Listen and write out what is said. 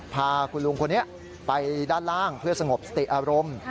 พาคุณลุงคนนี้ไปด้านล่างเพื่อสงบสติอารมณ์